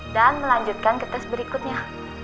dan melanjutkan ke tes berikutnya